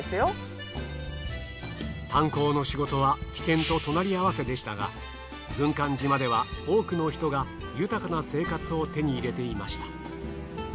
炭鉱の仕事は危険と隣り合わせでしたが軍艦島では多くの人が豊かな生活を手に入れていました。